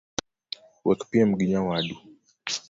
Wekpiem gi nyawadu